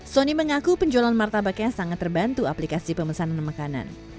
sony mengaku penjualan martabaknya sangat terbantu aplikasi pemesanan makanan